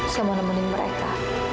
saya mau nemenin mereka